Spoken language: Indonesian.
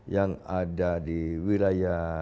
yang ada di wilayah